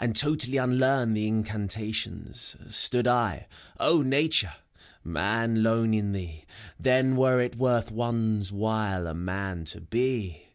And totally unlearn the incantations, — Stood L (LNatu re ! Man^ lone in thee, Then Vere it worth one's while a man to be!